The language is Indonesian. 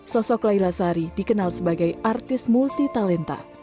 sosok laila sari dikenal sebagai artis multi talenta